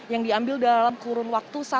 yang diambil dalam kurun waktu